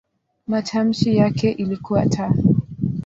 Matamshi yake ilikuwa "t".